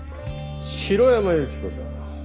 城山由希子さん